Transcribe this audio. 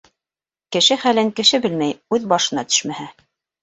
Кеше хәлен кеше белмәй, үҙ башына төшмәһә.